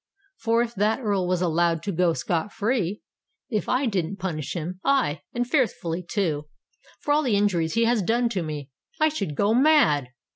For if that Earl was allowed to go scot free—if I didn't punish him—aye, and fearfully too—for all the injuries he has done to me, I should go mad!